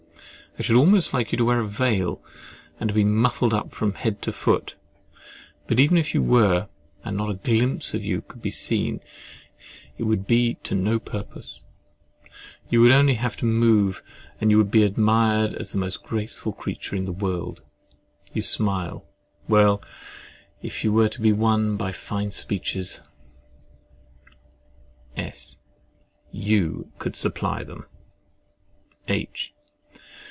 I should almost like you to wear a veil, and to be muffled up from head to foot; but even if you were, and not a glimpse of you could be seen, it would be to no purpose—you would only have to move, and you would be admired as the most graceful creature in the world. You smile—Well, if you were to be won by fine speeches— S. You could supply them! H.